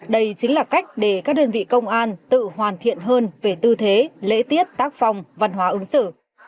đây chính là cách để các đơn vị công an tự hoàn thiện hơn về tư thế lễ tiết tác phong văn hóa ứng xử